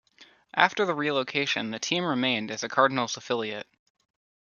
After the relocation, the team remained as a Cardinals' affiliate.